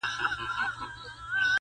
چي عزت ساتلای نه سي د بګړیو -